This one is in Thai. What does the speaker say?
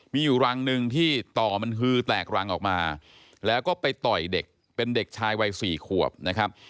มีอยู่รังหนึ่งที่ต่อมันฮือแตกรังออกมาแล้วก็ไปต่อยเด็กเป็นเด็กชายวัย๔ขวบนะครับ